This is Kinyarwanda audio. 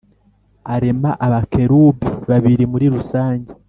arema abakerubi babiri muri rusange